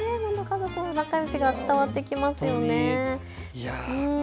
仲よしが伝わってきますね。